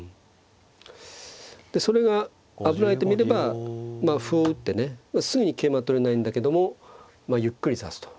でそれが危ないと見ればまあ歩を打ってねすぐに桂馬は取れないんだけどもまあゆっくり指すと。